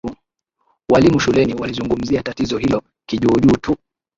Walimu shuleni walizungumzia tatizo hilo kijuujuu tu